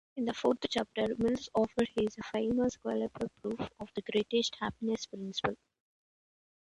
In the fourth chapter Mill offers his famous quasi-proof of the greatest-happiness principle.